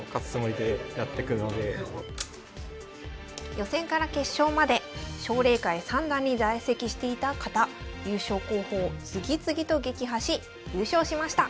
予選から決勝まで奨励会三段に在籍していた方優勝候補を次々と撃破し優勝しました。